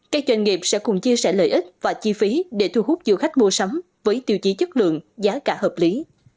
các doanh nghiệp sẽ cùng chia sẻ lợi ích và chi phí để thu hút du khách mua sắm với tiêu chí chất lượng giá cả hợp lý